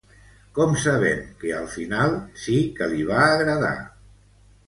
Com sabem que al final sí que li va agradar?